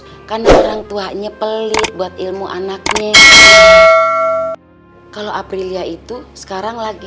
kamu enggak lulus lulus karena orangtuanya pelit buat ilmu anaknya kalau apel ya itu sekarang lagi